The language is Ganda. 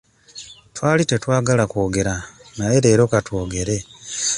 Twali tetwagala kwogera naye leero katwogere.